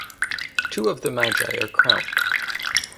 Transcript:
Two of the magi are crowned.